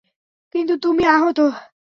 কিন্তু তুমি আহত!